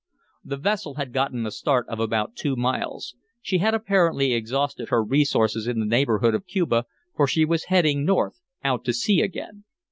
The vessel had gotten a start of about two miles. She had apparently exhausted her resources in the neighborhood of Cuba, for she was heading north, out to sea again.